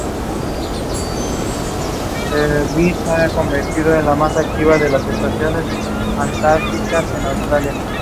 Incluso hay hipótesis de que esta danza se originó en el departamento de Potosí.